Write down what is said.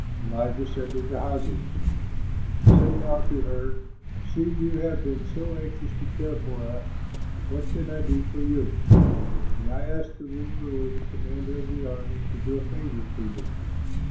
Elisha said to Gehazi, "Say now to her, 'See, you have been so anxious to care for us; what can be done for you? May I ask the ruler or the commander of the army to do a favor for you?'"